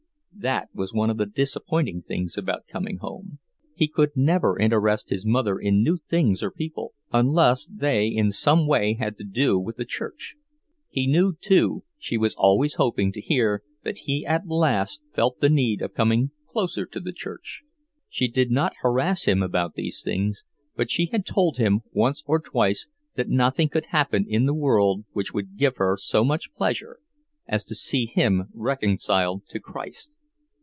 That was one of the disappointing things about coming home; he could never interest his mother in new things or people unless they in some way had to do with the church. He knew, too, she was always hoping to hear that he at last felt the need of coming closer to the church. She did not harass him about these things, but she had told him once or twice that nothing could happen in the world which would give her so much pleasure as to see him reconciled to Christ.